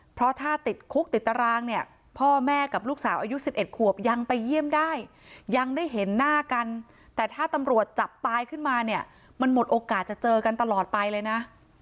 เพราะถ้าติดคุกติดตารางเนี่ยพ่อแม่กับลูกสาวอายุ๑๑ขวบยังไปเยี่ยมได้ยังได้เห็นหน้ากันแต่ถ้าตำรวจจับตายขึ้นมาเนี่ยมันหมดโอกาสจะเจอกันตลอดไปเลยนะ